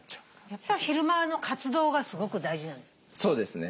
やっぱ昼間の活動がすごく大事なんですね。